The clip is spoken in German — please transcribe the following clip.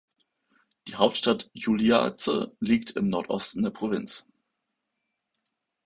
Die Hauptstadt Juliaca liegt im Nordosten der Provinz.